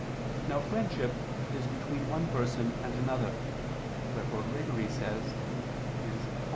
Now friendship is between one person and another, wherefore Gregory says (Hom.